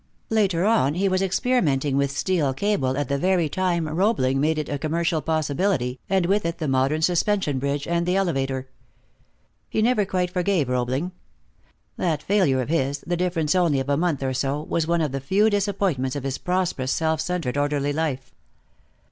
Later on he was experimenting with steel cable at the very time Roebling made it a commercial possibility, and with it the modern suspension bridge and the elevator. He never quite forgave Roebling. That failure of his, the difference only of a month or so, was one of the few disappointments of his prosperous, self centered, orderly life.